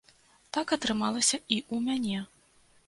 Так атрымалася і ў мяне.